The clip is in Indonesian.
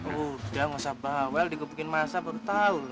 udah gak usah bawa dikubukin masa baru tahu